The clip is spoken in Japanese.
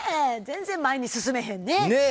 全然、前に進めへんね。